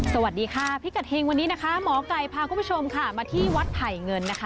สวัสดีค่ะพี่กัดเฮ่งวันนี้หมอกัยพาคุณผู้ชมมาที่วัดไผ่เงิน